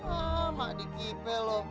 amak dikipe lo